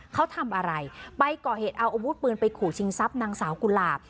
เขาทำอะไรไปก่อเหตุเอาอาวุธปืนไปขู่ชิงทรัพย์นางสาวกุหลาบ